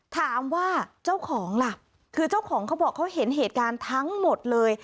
ถามว่าเจ้าของล่ะคือเจ้าของเขาบอกเขาเห็นเหตุการณ์ทั้งหมดเลย